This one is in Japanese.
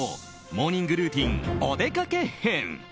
モーニングルーティンお出かけ編。